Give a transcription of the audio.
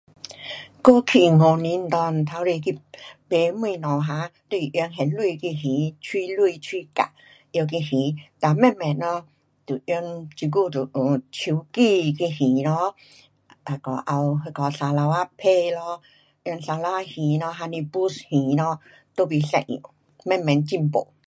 过去五年内，透底去买东西哈都是用现钱去还，碎钱碎角，拿去还。哒慢慢咯就用这久就有手机去还咯，那个也有那个 Sarawakpay 咯，用 sarawak 还咯，还是 boost 还咯，都不一样。慢慢进步。